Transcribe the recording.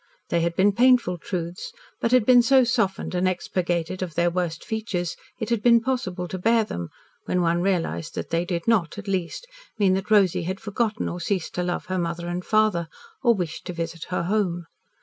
They had been painful truths, but had been so softened and expurgated of their worst features that it had been possible to bear them, when one realised that they did not, at least, mean that Rosy had forgotten or ceased to love her mother and father, or wish to visit her home.